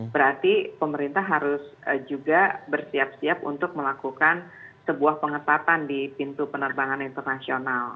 berarti pemerintah harus juga bersiap siap untuk melakukan sebuah pengetatan di pintu penerbangan internasional